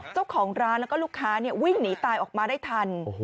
เจ้าของร้านแล้วก็ลูกค้าวิ่งหนีตายออกมาได้ทัน